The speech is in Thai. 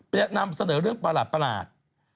จะนำเสนอเรื่องประหลาด